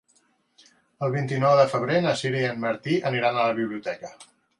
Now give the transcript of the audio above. El vint-i-nou de febrer na Sira i en Martí iran a la biblioteca.